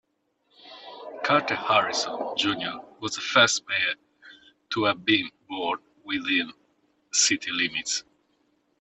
Carter Harrison, Junior was the first mayor to have been born within city limits.